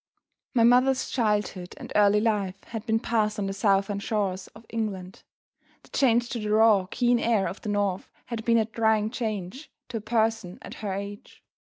My mother's childhood and early life had been passed on the southern shores of England. The change to the raw, keen air of the North had been a trying change to a person at her age.